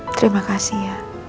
terima kasih ya